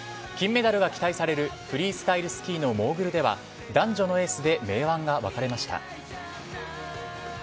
金メダルが期待されるフリースタイルスキーのモーグルでは男女のエースで明暗が分かれました。